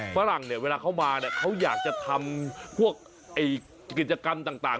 ฝรั่งเวลาเข้ามาเขาอยากจะทำพวกกิจกรรมต่าง